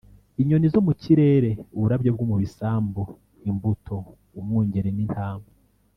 inyoni zo mu kirere, uburabyo bwo mu bisambu, imbuto, umwungeri n’intama